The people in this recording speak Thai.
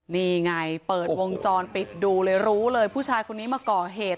นี่ไงเปิดวงจรปิดดูเลยรู้เลยผู้ชายคนนี้มาก่อเหตุ